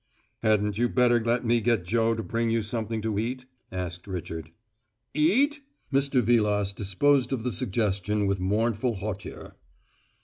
"Hadn't you better let me get Joe to bring you something to eat?" asked Richard. "Eat?" Mr. Vilas disposed of the suggestion with mournful hauteur.